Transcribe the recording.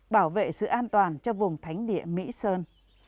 bảo vệ sự an toàn cho vùng thánh địa mỹ sơn